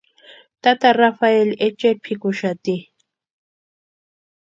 Tata Rafeli echeri pʼikuxati.